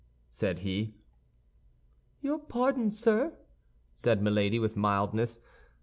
said he. "Your pardon, sir," said Milady, with mildness.